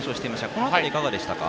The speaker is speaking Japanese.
この辺りはいかがでしたか？